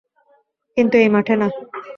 কিন্তু এই মাঠে না।